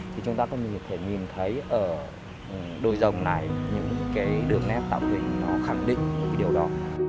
thì chúng ta có thể nhìn thấy ở đôi rồng này những cái đường nét tạo tình nó khẳng định được cái điều đó